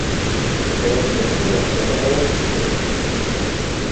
Kra n medden ur sɛin ara aselkim.